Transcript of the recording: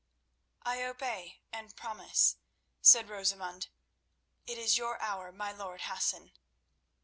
"I obey and promise," said Rosamund. "It is your hour, my lord Hassan."